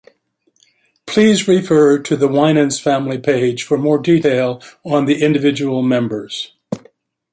Please refer to the Winans family page for more detail on the individual members.